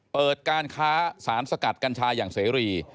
เปิดการค้าสารสกัดกัญชาอย่างเสรี